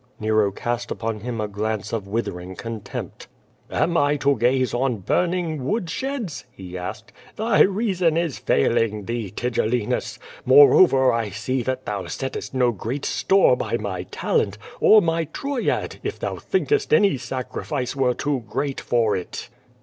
Nero cast upon him a glance of withering contempt. "Am I to gaze on burning wood sheds?" he asked. Thy reason is failing thee, Tigellinus. Moreover I see that thou settest no great store by my talent, or my Troyad, if thou thinkest any sacrifice were too great for it."